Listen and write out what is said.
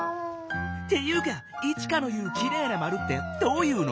っていうかイチカの言う「きれいなまる」ってどういうの？